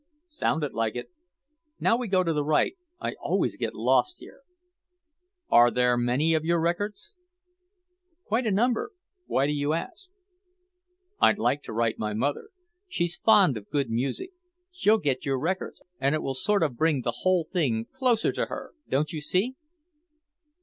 "Sounded like it. Now we go to the right. I always get lost here." "Are there many of your records?" "Quite a number. Why do you ask?" "I'd like to write my mother. She's fond of good music. She'll get your records, and it will sort of bring the whole thing closer to her, don't you see?"